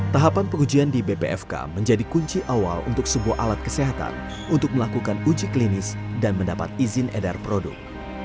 tahapan pengujian di bpfk menjadi kunci awal untuk sebuah alat kesehatan untuk melakukan uji klinis dan mendapat izin edar produk